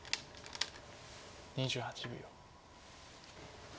２８秒。